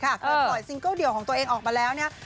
เคยปล่อยซิงเกิลเดี่ยวของตัวเองออกมาแล้วเนี่ย